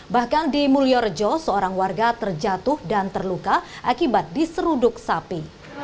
bahkan di mulyorejo seorang warga terjatuh dan terluka akibat diseruduk sapi